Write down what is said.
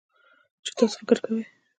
چې تاسو فکر کوئ